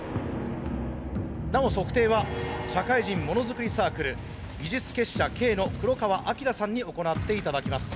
なお測定は社会人ものづくりサークル技術結社Ｋのくろかわあきらさんに行って頂きます。